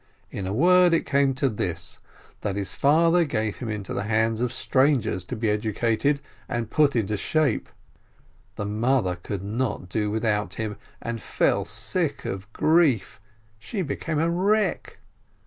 In a word, it came to this, that his father gave him into the hands of strangers, to be educated and put into shape. The mother could not do without him, and fell sick of grief ; she became a wreck.